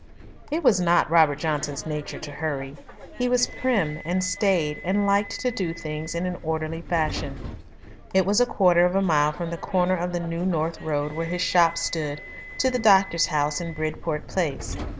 It was not Robert Johnson's nature to hurry. He was prim and staid and liked to do things in an orderly fashion. It was a quarter of a mile from the corner of the New North Road where his shop stood to the doctor's house in Bridport Place.